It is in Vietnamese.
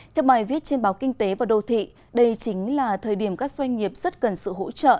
theo bài viết trên báo kinh tế và đô thị đây chính là thời điểm các doanh nghiệp rất cần sự hỗ trợ